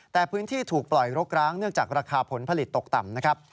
แต่พื้นที่ถูกปล่อยรกร้างเนื่องจากราคาผลผลิตตกต่ำนะครับ